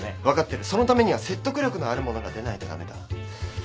分かってるそのためには説得力のあるものが出ないと駄目だ。